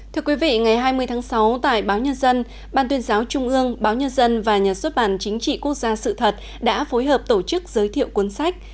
thưa quý vị ngày hai mươi tháng sáu tại báo nhân dân ban tuyên giáo trung ương báo nhân dân và nhà xuất bản chính trị quốc gia sự thật đã phối hợp tổ chức giới thiệu cuốn sách